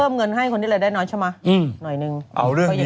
หมวดไปทั้งหลายพันทุกอย่าง